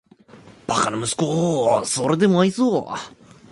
バカな息子をーーーーそれでも愛そう・・・